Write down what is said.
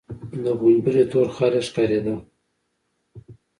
د غومبري تور خال يې ښکارېده.